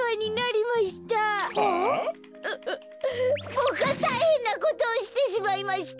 うっボクはたいへんなことをしてしまいました。